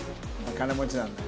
金持ちなんだ。